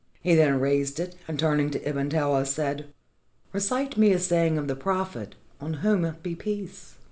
He then raised it, and turning to Ibn Taous, said: 'Recite me a saying of the Prophet, on whom be peace.'